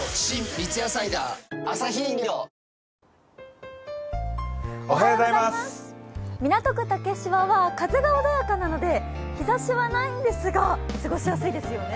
三ツ矢サイダー』港区竹芝は風が穏やかなので日ざしは、ないんですが過ごしやすいですね。